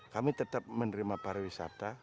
kami tetap menerima pariwisata